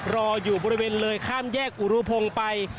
รออยู่บริเวณเลยข้ามแยกอุรุพงศ์ไป